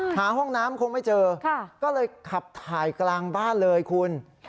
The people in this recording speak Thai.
ห้องน้ำคงไม่เจอก็เลยขับถ่ายกลางบ้านเลยคุณ